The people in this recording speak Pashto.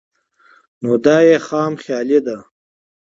نو دا ئې خام خيالي ده